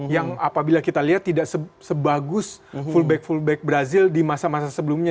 yang apabila kita lihat tidak sebagus fullback fullback brazil di masa masa sebelumnya